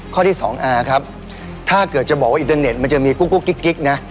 ข้อที่สองอาครับถ้าเกิดจะบอกว่าอินเทอร์เน็ตมันจะมีกุ๊กกิ๊กนะ